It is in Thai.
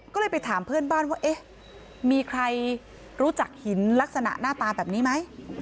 ก็เลยไปถามเพื่อนบ้านว่าเอ๊ะมีใครรู้จักหินลักษณะหน้าตาแบบนี้ไหม